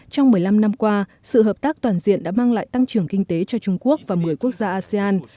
trong một mươi năm năm qua sự hợp tác toàn diện đã mang lại tăng trưởng kinh tế cho trung quốc và một mươi quốc gia asean